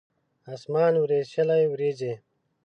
اسمان وریشلې وریځې